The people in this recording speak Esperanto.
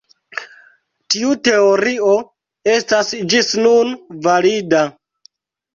Tiu teorio estas ĝis nun valida.